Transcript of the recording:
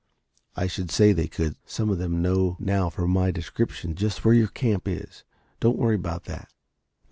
"I should say they could. Some of them know now from my description just where your camp is. Don't worry about that.